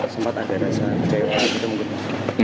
sempat ada rasa jauh